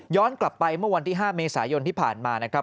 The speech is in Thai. กลับไปเมื่อวันที่๕เมษายนที่ผ่านมานะครับ